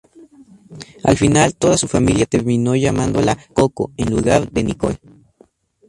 Al final toda su familia terminó llamándola Coco, en lugar de Nicole.